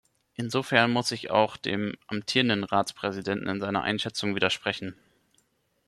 Insofern muss ich auch dem amtierenden Ratspräsidenten in seiner Einschätzung widersprechen.